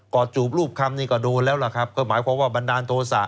อดจูบรูปคำนี่ก็โดนแล้วล่ะครับก็หมายความว่าบันดาลโทษะ